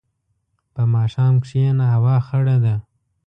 په ماښام کښېنه، هوا خړه ده.